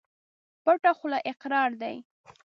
پټه خوله اقرار دى.